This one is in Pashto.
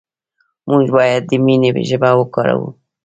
موږ باید د مینې ژبه وکاروو.